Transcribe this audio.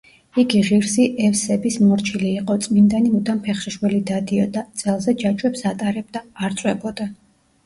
იგი ღირსი ევსების მორჩილი იყო, წმინდანი მუდამ ფეხშიშველი დადიოდა, წელზე ჯაჭვებს ატარებდა, არ წვებოდა.